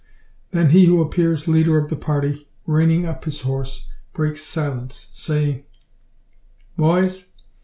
Then he who appears leader of the party, reining up his horse, breaks silence, saying "Boys!